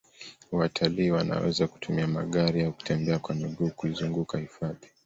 watalii wanaweza kutumia magari au kutembea kwa miguu kuizunguka hifadhi